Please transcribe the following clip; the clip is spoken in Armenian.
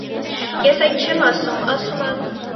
- Ես այդ չեմ ասում, ասում եմ…